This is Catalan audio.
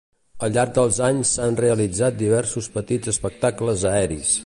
Al llarg dels anys s'han realitzat diversos petits espectacles aeris.